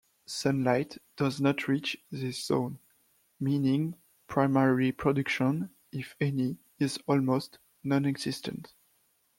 Sunlight does not reach this zone, meaning primary production, if any, is almost nonexistent.